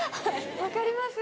分かります。